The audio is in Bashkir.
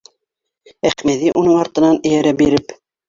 Әхмәҙи, уның артынан эйәрә биреп: